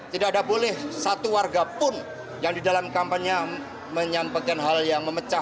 tidak ada boleh satu warga pun yang di dalam kampanye menyampaikan hal yang memecah